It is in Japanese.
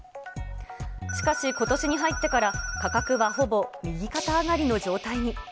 しかし、ことしに入ってから価格はほぼ右肩上がりの状態に。